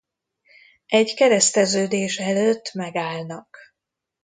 Egy kereszteződés előtt megállnak.